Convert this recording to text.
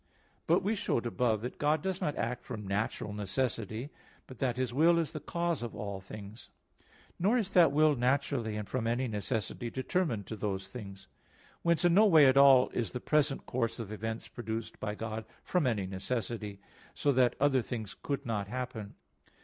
But we showed above (Q. 19, A. 3) that God does not act from natural necessity, but that His will is the cause of all things; nor is that will naturally and from any necessity determined to those things. Whence in no way at all is the present course of events produced by God from any necessity, so that other things could not happen.